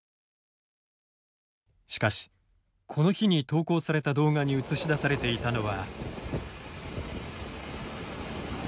しかし、この日に投稿された動画に映し出されていたのは。